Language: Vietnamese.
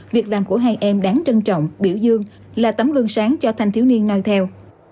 việc làm của hai em đáng trân trọng biểu dương là tấm gương sáng cho thanh thiếu niên no theo